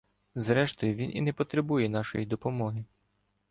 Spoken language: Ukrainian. Зрештою, він і не потребує нашої допомоги.